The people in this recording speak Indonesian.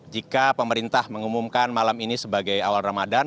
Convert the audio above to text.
jika pemerintah mengumumkan malam ini sebagai awal ramadan